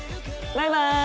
バイバイ！